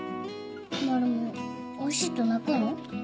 マルモおいしいと泣くの？